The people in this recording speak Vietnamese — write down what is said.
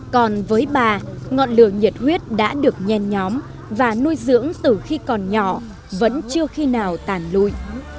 còn với bà ngọn lửa nhiệt huyết đã được nhen nhóm và nuôi dưỡng từ khi còn nhỏ vẫn chưa khi nào tản lui